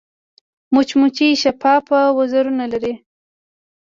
مچمچۍ شفاف وزرونه لري